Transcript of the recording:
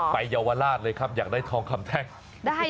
เยาวราชเลยครับอยากได้ทองคำแท่ง